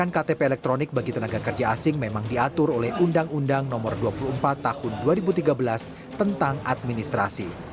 ktp elektronik bagi tenaga kerja asing memang diatur oleh undang undang no dua puluh empat tahun dua ribu tiga belas tentang administrasi